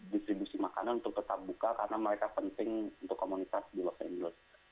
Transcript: distribusi makanan untuk tetap buka karena mereka penting untuk komunitas di los angeles